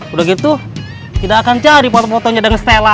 udah gitu tidak akan cari foto fotonya dengan stella